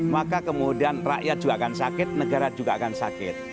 maka kemudian rakyat juga akan sakit negara juga akan sakit